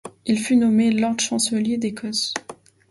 Il fut nommé Lord Chancelier d'Écosse.